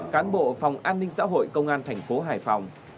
cán bộ phòng an ninh xã hội công an thành phố hải phòng